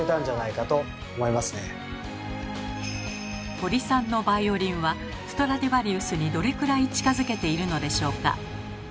堀さんのバイオリンはストラディヴァリウスにどれくらい近づけているのでしょうか。